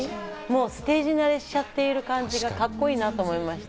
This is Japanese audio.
ステージ慣れしちゃってる感じがカッコいいなと思いました。